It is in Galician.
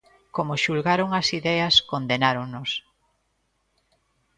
Como xulgaron as ideas, condenáronnos.